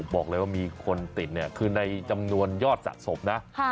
บอกเลยว่ามีคนติดเนี่ยคือในจำนวนยอดสะสมนะ